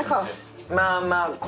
まあまあ。